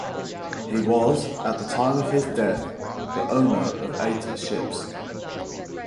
He was at the time of his death the owner of eight ships.